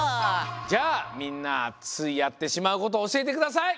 じゃあみんなついやってしまうことおしえてください！